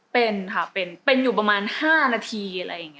เป็นค่ะเป็นอยู่ประมาณ๕นาที